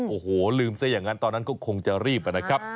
โอ้โหลืมซะอย่างนั้นตอนนั้นก็คงจะรีบนะครับ